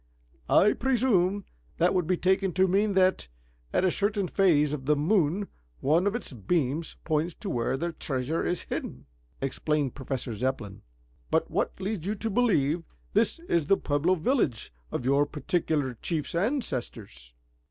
"I presume that would be taken to mean that, at a certain phase of the moon, one of its beams points to where the treasure is hidden," explained Professor Zepplin. "But what leads you to believe this is the Pueblo village of your particular chief's ancestors?"